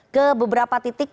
ke beberapa titik di tiongkok